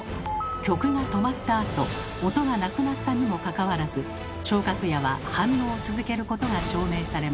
曲が止まったあと音がなくなったにもかかわらず聴覚野は反応を続けることが証明されました。